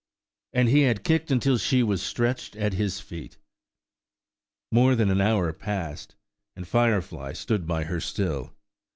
–and he had kicked until she was stretched at his feet. ... More than an hour passed, and Firefly stood by her still.